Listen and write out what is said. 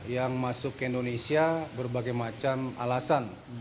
yang masuk ke indonesia berbagai macam alasan